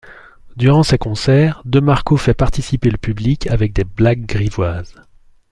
Durant ses concerts DeMarco fait participer le public avec des blagues grivoises.